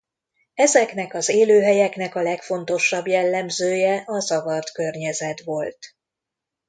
Ezeknek az élőhelyeknek a legfontosabb jellemzője a zavart környezet volt.